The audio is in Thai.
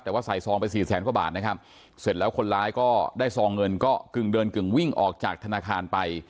แต่ว่าใส่ซองไปสี่แสนกว่าบาทนะครับเสร็จแล้วคนร้ายก็ได้ซองเงินก็กึ่งเดินกึ่งวิ่งออกจากธนาคารไป